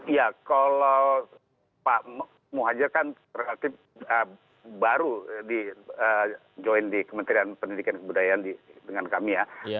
ya kalau pak muhajir kan relatif baru join di kementerian pendidikan dan kebudayaan dengan kami ya